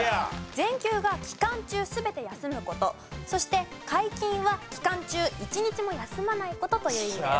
全休が期間中全て休む事そして皆勤は期間中一日も休まない事という意味です。